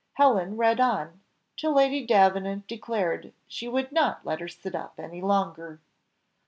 Helen read on, till Lady Davenant declared she would not let her sit up any longer.